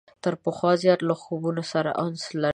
تر پخوا زیات له خوبونو سره انس لري.